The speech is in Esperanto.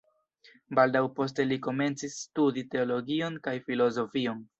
Baldaŭ poste li komencis studi teologion kaj filozofion.